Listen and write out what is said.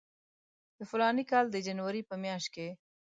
د فلاني کال د جنوري په میاشت کې.